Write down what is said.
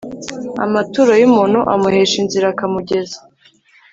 Amaturo y umuntu amuhesha inzira Akamugeza